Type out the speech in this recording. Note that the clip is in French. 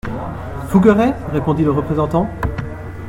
Fougueray ? répondit le représentant.